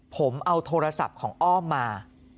ผมเอาโทรศัพท์ของอ้อมมา